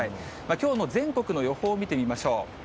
きょうの全国の予報を見てみましょう。